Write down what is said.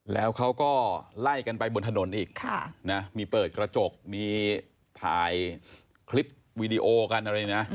แล้วเขาก็ไล่กันไปบนถนนอีกมีเปิดกระจกมีถ่ายคลิปวีดีโอกันอะไรนะ